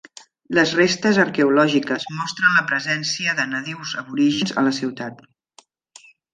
Les restes arqueològiques mostren la presència de nadius aborígens a la ciutat.